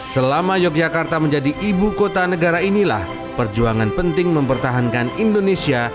selama yogyakarta menjadi ibu kota negara inilah perjuangan penting mempertahankan indonesia